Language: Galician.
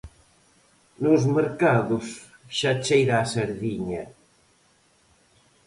Nos mercados xa cheira a sardiña.